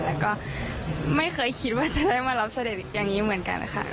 แล้วก็ไม่เคยคิดว่าจะได้มารับเสด็จอย่างนี้เหมือนกันค่ะ